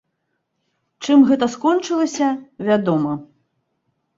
Чым гэта скончылася, вядома.